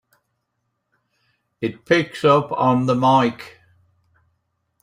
It picks up on the mike!